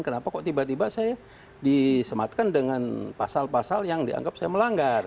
kenapa kok tiba tiba saya disematkan dengan pasal pasal yang dianggap saya melanggar